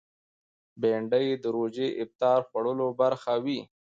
بېنډۍ د روژې افطار خوړلو برخه وي